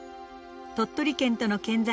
鳥取県との県境